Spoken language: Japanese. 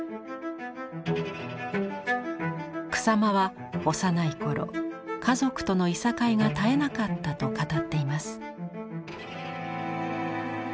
草間は幼い頃家族とのいさかいが絶えなかったと語っています。